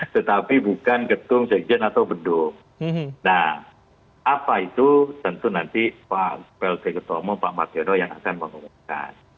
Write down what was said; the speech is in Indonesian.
tetapi bukan ketum sekjen atau beduk nah apa itu tentu nanti pak plt ketua umum pak martyono yang akan mengumumkan